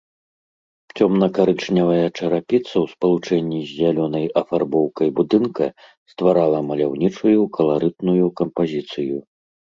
Цёмна-карычневая чарапіца ў спалучэнні з зялёнай афарбоўкай будынка стварала маляўнічую, каларытную кампазіцыю.